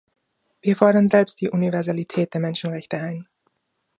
Wir fordern selbst die Universalität der Menschenrechte ein.